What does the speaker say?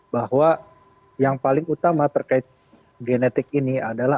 bahwa yang paling utama terkait genetik ini adalah